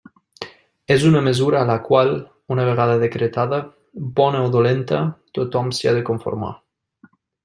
És una mesura a la qual, una vegada decretada, bona o dolenta, tothom s'hi ha de conformar.